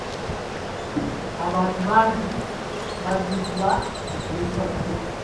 Abantu bagii babiddwa ekiro kya jjo.